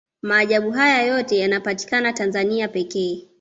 maajabu haya yote yanapatikana tanzania pekee